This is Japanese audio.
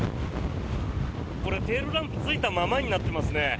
これ、テールランプついたままになってますね。